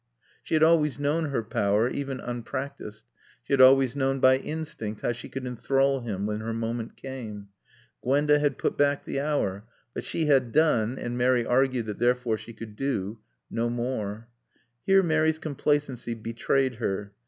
She had always known her power, even unpracticed. She had always known by instinct how she could enthrall him when her moment came. Gwenda had put back the hour; but she had done (and Mary argued that therefore she could do) no more. Here Mary's complacency betrayed her.